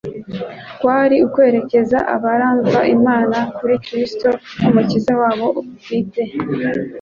kwari ukwerekeza abaramva Imana kuri Kristo nk'Umukiza wabo bwite.